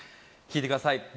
聴いてください。